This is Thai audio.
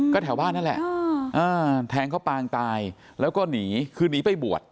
ก็แถวบ้านนั่นแหละแทงเขาปางตายแล้วก็หนีคือหนีไปบวช